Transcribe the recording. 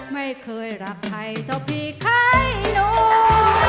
ไม่เคยรักใครเท่าพี่ไข่หนุ่ม